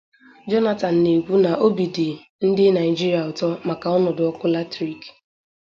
Jonathan na-ekwu na obi dị ndị Nigeria ụtọ maka ọnọdụ ọkụ latrik